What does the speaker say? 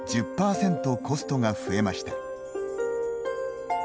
１０％コストが増えました。